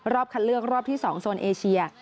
คัดเลือกรอบที่๒โซนเอเชีย